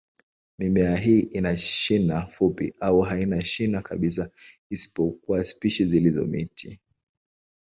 Mimea hii ina shina fupi au haina shina kabisa, isipokuwa spishi zilizo miti.